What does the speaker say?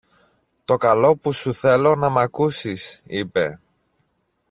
Το καλό που σου θέλω να μ' ακούσεις, είπε.